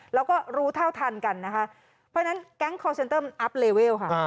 แล้วก็รู้เท่าทันกันนะคะเพราะฉะนั้นแก๊งคอร์เซ็นเตอร์มันอัพเลเวลค่ะ